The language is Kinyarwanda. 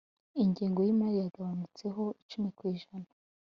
Ingengo yimari yagabanutseho icumi kwijana